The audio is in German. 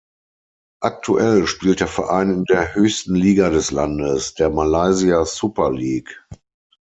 Aktuell spielt der Verein in der höchsten Liga des Landes, der Malaysia Super League.